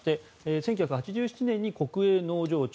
１９８７年に国営農場長。